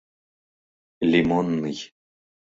— Лимонный.